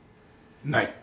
ない。